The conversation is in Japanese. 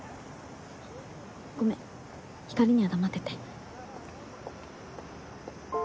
ごめんひかりには黙ってて。